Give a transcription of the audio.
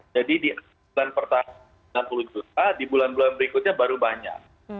jadi di bulan pertama sembilan puluh juta di bulan bulan berikutnya baru banyak